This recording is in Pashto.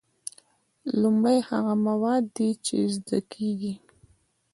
لومړی هغه مواد دي چې زده کیږي.